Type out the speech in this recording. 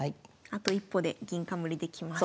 あと一歩で銀冠できます。